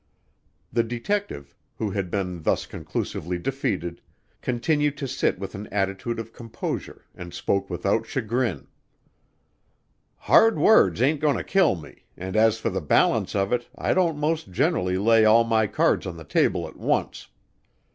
The detective, who had been thus conclusively defeated, continued to sit with an attitude of composure, and spoke without chagrin: "Hard words ain't going to kill me, and as for the balance of it I don't most generally lay all my cards on the table at once.